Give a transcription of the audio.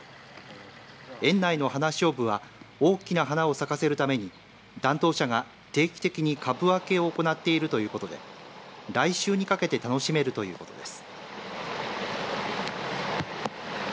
園内の花しょうぶは大きな花を咲かせるために担当者が定期的に株分けを行っているということで来週にかけて楽しめるということです。